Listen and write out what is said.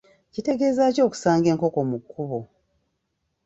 Kitegeeza ki okusanga enkoko mu kkubo?